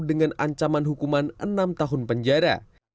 dengan ancaman hukuman enam tahun penjara